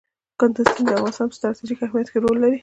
کندز سیند د افغانستان په ستراتیژیک اهمیت کې رول لري.